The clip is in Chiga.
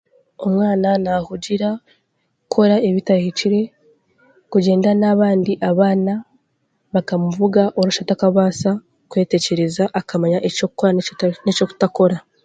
Omwana naahugira kukora ebitahikire, kugyenda n'abandi abaana bakamuvuga orashusha takaabaasa kwetekyereza akamanya eky'okukora n'otari n'eky'obutakora